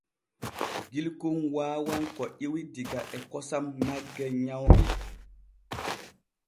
Gilkon waawan ko ƴiwi diga e kosam nagge nyawŋe.